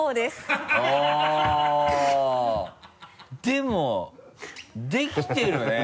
でもできてるね。